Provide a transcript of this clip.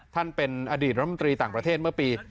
ท่านเป็นอดีตรัฐมนตรีต่างประเทศเมื่อปี